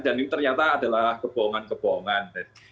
dan ini ternyata adalah kebohongan kebohongan